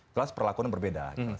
kelas perlakuan yang berbeda